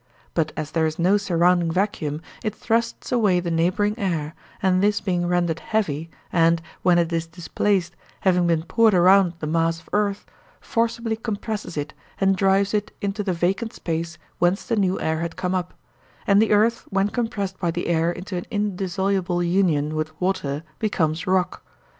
But as there is no surrounding vacuum it thrusts away the neighbouring air, and this being rendered heavy, and, when it is displaced, having been poured around the mass of earth, forcibly compresses it and drives it into the vacant space whence the new air had come up; and the earth when compressed by the air into an indissoluble union with water becomes rock.